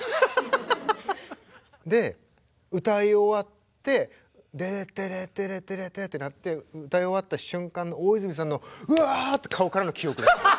歌い終わってデレッテレッテレッテレッテってなって歌い終わった瞬間の大泉さんのうわって顔からの記憶。